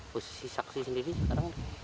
posisi saksi sendiri sekarang